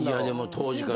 当時から。